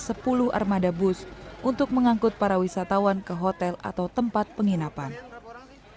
setelah berjalan bus lagi di spk milan kan mana abis berlubung ke jenergo